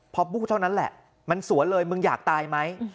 พอบู้เท่านั้นแหละมันสวนเลยมึงอยากตายไหม